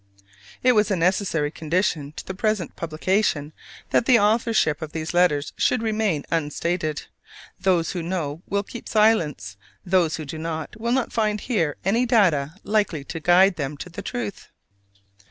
It was a necessary condition to the present publication that the authorship of these letters should remain unstated. Those who know will keep silence; those who do not, will not find here any data likely to guide them to the truth.